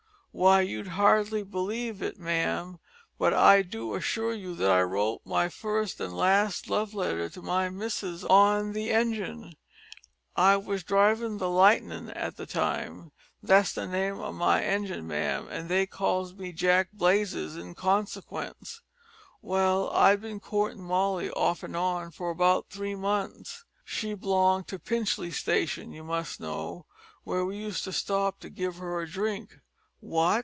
Why, you'd hardly believe it, ma'am, but I do assure you, that I wrote my fust an' last love letter to my missus on the engine. I was drivin' the Lightenin' at the time that's the name o' my engine, ma'am, an' they calls me Jack Blazes in consikence well, I'd bin courtin' Molly, off an' on, for about three months. She b'longed to Pinchley station, you must know, where we used to stop to give her a drink " "What!